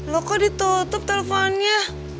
loh kok ditutup teleponnya